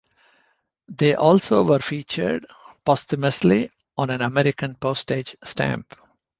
They also were featured, posthumously, on an American postage stamp.